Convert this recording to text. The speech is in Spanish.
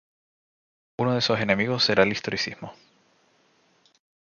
Unos de esos enemigos será el historicismo.